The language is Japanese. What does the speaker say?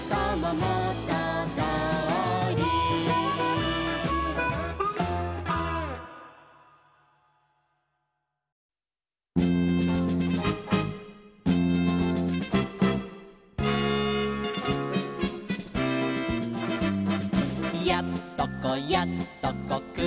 「やっとこやっとこくりだした」